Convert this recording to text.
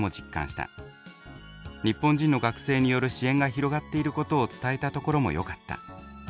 日本人の学生による支援が広がっていることを伝えたところもよかった」